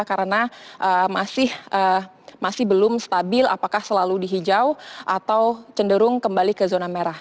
karena masih belum stabil apakah selalu di hijau atau cenderung kembali ke zona merah